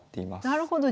なるほど。